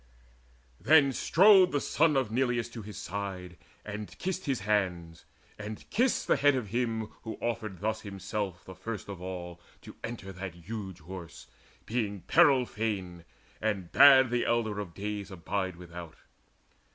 Then strode the son of Neleus to his side, And kissed his hands, and kissed the head of him Who offered thus himself the first of all To enter that huge horse, being peril fain, And bade the elder of days abide without.